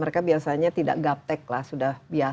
mereka biasanya tidak gap tech lah sudah biasa kan